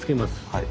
はい。